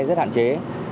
rất là hạn chế